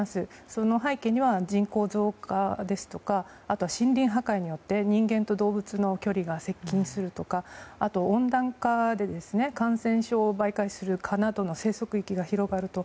その背景には人口増加ですとか森林破壊によって人間と動物の距離が接近するとかあと温暖化で感染症を媒介する蚊などの生息域が広がると。